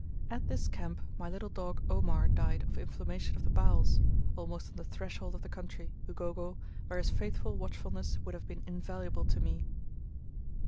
At this camp my little dog "Omar" died of inflammation of the bowels, almost on the threshold of the country Ugogo where his faithful watchfulness would have been invaluable to me.